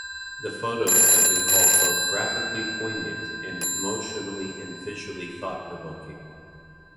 The photos have been called both graphically poignant and emotionally and visually thought-provoking.